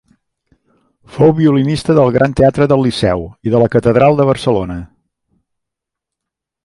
Fou violinista del Gran Teatre del Liceu i de la catedral de Barcelona.